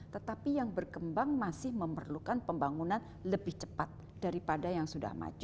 tetapi yang berkembang masih memerlukan pembangunan lebih cepat daripada yang sudah maju